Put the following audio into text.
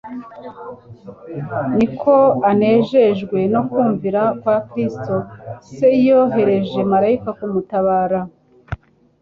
ni ko anejejwe no kumvira kwa Kristo, Se yohereje malayika kumutabara.